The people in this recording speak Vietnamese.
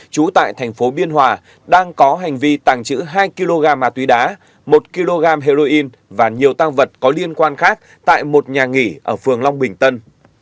trú tại thành phố biên hòa đang có hành vi tàng trữ hai kg ma túy đá một kg heroin và nhiều tăng vật có liên quan khác tại một nhà nghỉ ở phường long bình tân